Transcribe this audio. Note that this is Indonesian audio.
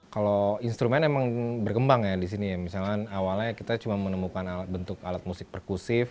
kalau instrumen emang berkembang ya di sini ya misalnya awalnya kita cuma menemukan bentuk alat musik perkusif